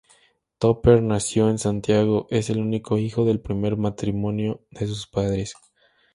Tupper nació en Santiago, es el único hijo del primer matrimonio de sus padres.